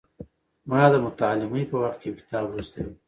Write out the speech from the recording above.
ما د متعلمۍ په وخت کې یو کتاب لوستی و.